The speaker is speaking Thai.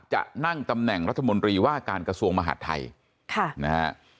จะนั่งตำแหน่งรัฐมนตรีว่าการกระทรวงมหาดไทยค่ะนะฮะ